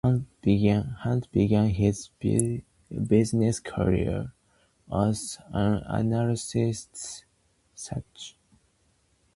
Hunt began his business career as an analyst with Goldman Sachs.